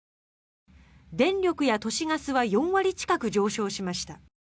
電力や都市ガスは４割近く上昇しました。